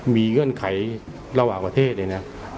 มีเงื่อนไขระหว่างประเทศเนี่ยเนี่ย